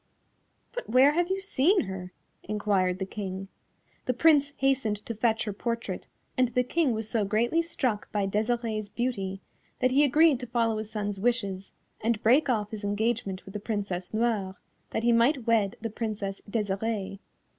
"But where have you seen her?" enquired the King. The Prince hastened to fetch her portrait, and the King was so greatly struck by Desirée's beauty that he agreed to follow his son's wishes and break off his engagement with the Princess Noire, that he might wed the Princess Desirée.